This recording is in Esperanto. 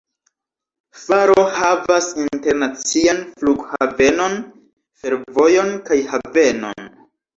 Faro havas internacian flughavenon, fervojon kaj havenon.